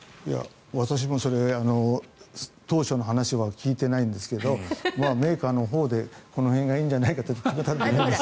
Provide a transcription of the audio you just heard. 私もそれ当初の話は聞いてないんですがメーカーのほうでこの辺がいいんじゃないかと決めたんだと思います。